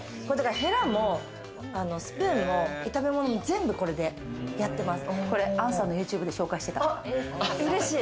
ヘラもスプーンも、炒め物も全部これでやってます。